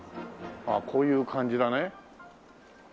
ああこういう感じだね。